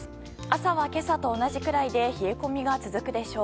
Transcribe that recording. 朝は今朝と同じくらいで冷え込みが続くでしょう。